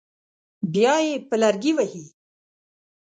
بیا یې په لرګي وهي.